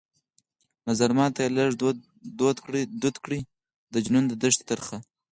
نظرمات ته يې لږ دود کړى د جنون د دښتي ترخه